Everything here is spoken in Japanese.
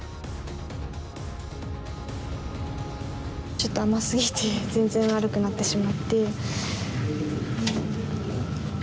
ちょっと甘すぎて全然悪くなってしまって。